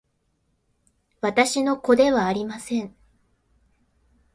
私の子ではありません